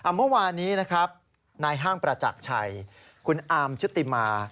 เมื่อวานนี้นะครับนายห้างประจักรชัยคุณอาร์มชุติมา